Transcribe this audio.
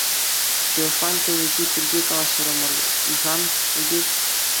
Феофан кӗнеки пирки калаҫрӑмӑр-и-ха эпир?